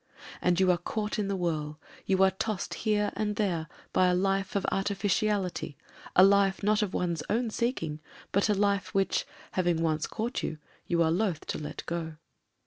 And you are caught in the whirl — ^you are tossed here and there by a life of artificiality, a life not of one's own seeking, but a life which, having once caught you, you are loath to let go.